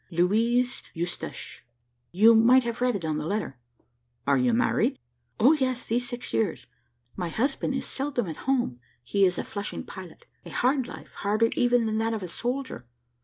"Louise Eustache; you might have read it on the letter." "Are you married?" "O yes, these six years. My husband is seldom at home; he is a Flushing pilot. A hard life, harder even that that of a soldier.